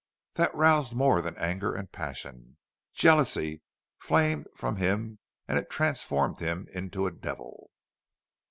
That roused more than anger and passion. Jealousy flamed from him and it transformed him into a devil.